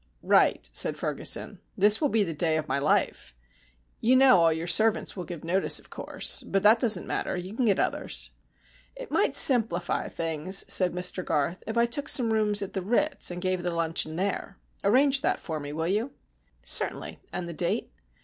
"Right," said Ferguson. "This will be the day of my life. You know all your servants will give notice, of course. But that doesn't matter, you can get others." "It might simplify things," said Mr Garth, "if I took some rooms at the Ritz and gave the luncheon there. Arrange that for me, will you?" "Certainly. And the date?"